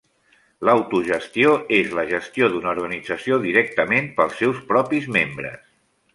L'autogestió és la gestió d'una organització directament pels seus propis membres.